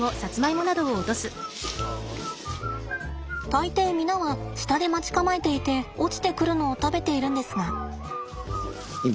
大抵皆は下で待ち構えていて落ちてくるのを食べているんですが。